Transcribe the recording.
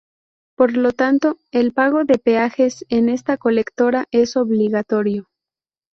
Por lo tanto, el pago de peajes en esta colectora es obligatorio.